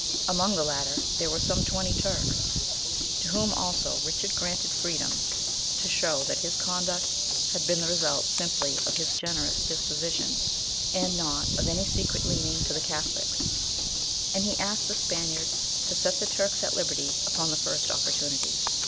Among the latter there were some twenty Turks, to whom also Richard granted freedom, to show that his conduct had been the result simply of his generous disposition, and not of any secret leaning to the Catholics: and he asked the Spaniards to set the Turks at liberty upon the first opportunity.